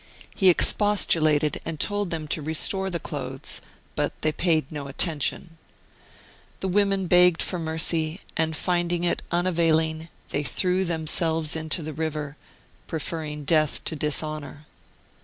He expostulated and told them to restore the clothes, but they paid no attention. The women begged for mercy, and finding it unavailing they threw themselves into the river, preferring death to dishonour.